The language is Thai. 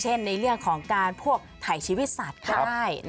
เช่นในเรื่องของการพวกไถชีวิตสัตว์ได้